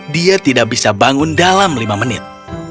dia tidak bisa bangun dalam lima menit